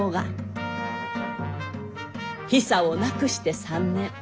ヒサを亡くして３年。